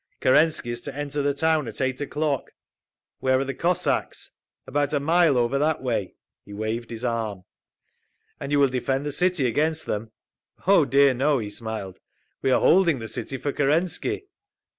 Kerensky is to enter the town at eight o'clock." "Where are the Cossacks?" "About a mile over that way." He waved his arm. "And you will defend the city against them?" "Oh dear no." He smiled. "We are holding the city for Kerensky."